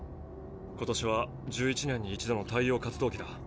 今年は１１年に一度の太陽活動期だ。